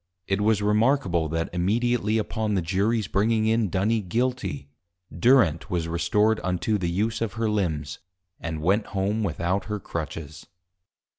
[It was Remarkable, that immediately upon the Juries bringing in Duny Guilty, Durent was restored unto the use of her Limbs, and went home without her Crutches.